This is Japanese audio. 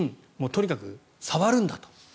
とにかく触るんだと。